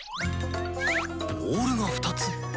ボールが２つ？